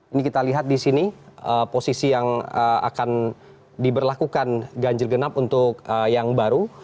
ini kita lihat di sini posisi yang akan diberlakukan ganjil genap untuk yang baru